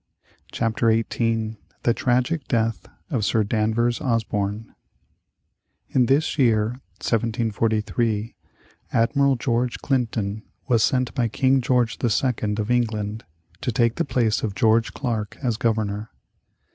CHAPTER XVIII THE TRAGIC DEATH of SIR DANVERS OSBORNE In this year, 1743, Admiral George Clinton was sent by King George II. of England to take the place of George Clarke as Governor.